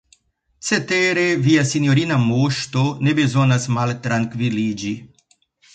Cetere via sinjorina Moŝto ne bezonas maltrankviliĝi.